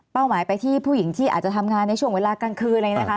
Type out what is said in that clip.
หมายไปที่ผู้หญิงที่อาจจะทำงานในช่วงเวลากลางคืนเลยนะคะ